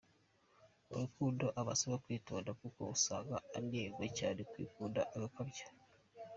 Mu rukundo aba asabwa kwitonda kuko usanga anengwa cyane kwikunda agakabya.